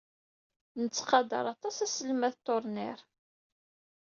Nettqadar aṭas aselmad Turner.